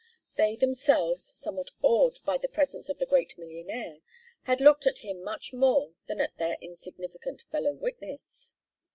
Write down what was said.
They themselves, somewhat awed by the presence of the great millionaire, had looked at him much more than at their insignificant fellow witness.